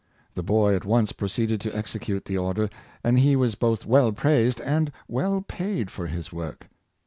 The boy at once proceeded to execute the order, and he was both well praised and well paid for his work.